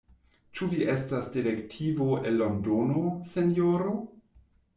Ĉu vi estas detektivo el Londono, sinjoro?